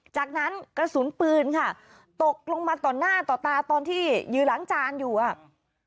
จากนั้นกระสุนปืนค่ะตกลงมาต่อหน้าต่อตาตอนที่ยืนล้างจานอยู่อ่ะ